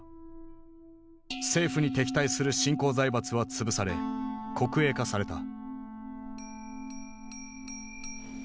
政府に敵対する新興財閥は潰され国営化された。